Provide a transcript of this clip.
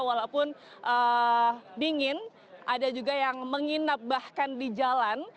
walaupun dingin ada juga yang menginap bahkan di jalan